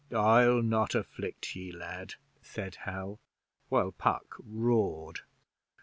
'I'll not afflict ye, lad,' said Hal, while Puck roared.